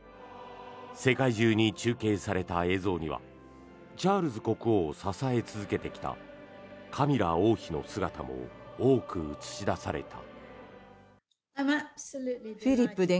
世界中に中継された映像にはチャールズ国王を支え続けてきたカミラ王妃の姿も多く映し出された。